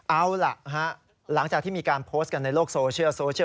เอาล่ะหลังจากที่มีการโพสต์กันในโลกโซเชียลโซเชียล